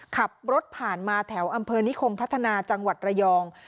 ขับรถผ่านมาแถวอำเภอนิคมพัฒนาจังหวัดระยอง